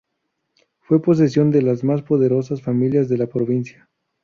Fue posesión de las más poderosas familias de la provincia.